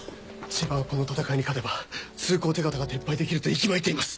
千葉はこの戦いに勝てば通行手形が撤廃できると息巻いています。